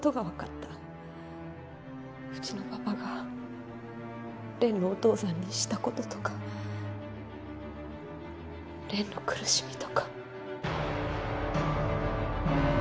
うちのパパがのお父さんにした事とかの苦しみとか。